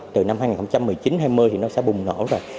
từ năm hai nghìn một mươi chín hai nghìn hai mươi thì nó sẽ bùng nổ rồi